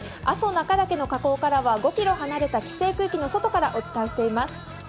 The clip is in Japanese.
阿蘇中岳火口からは５ｋｍ離れた規制区域の外からお伝えしています。